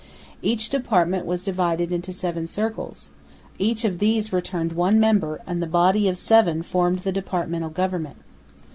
Each department was divided into seven circles; each of these returned one member; and the body of seven formed the departmental government.